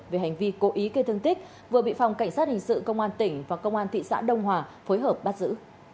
về hành vi cố ý gây thương tích vừa bị phòng cảnh sát hình sự công an tỉnh và công an thị xã đông hòa phối hợp bắt giữ